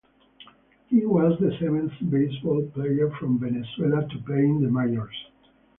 He was the seventh baseball player from Venezuela to play in the majors.